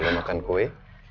boleh makan kue